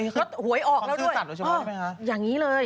ก็หวยออกแล้วด้วยอย่างนี้เลย